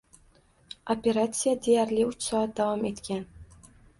Operatsiya deyarli uch soat davom etgan.